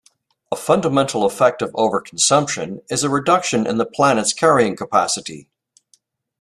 A fundamental effect of overconsumption is a reduction in the planet's carrying capacity.